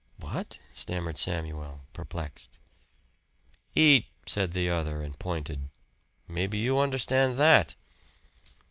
"What?" stammered Samuel, perplexed. "EAT!" said the other, and pointed. "Maybe you understand that."